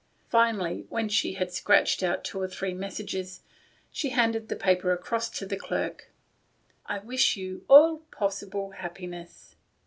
Finally, when she had scratched out two or three messages, she handed the paper across to the clerk. "I wish you all possible happiness.